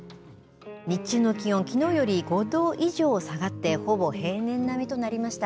日中の気温、きのうより５度以上下がって、ほぼ平年並みとなりました。